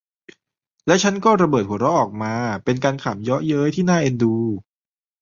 และฉันก็ระเบิดหัวเราะออกมา เป็นการขำเยาะเย้ยที่น่าเอ็นดู